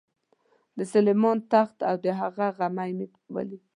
د سلیمان تخت او د هغه غمی مې ولید.